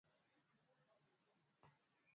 sifa zote jiolojia na uundaji wa Mto Amazon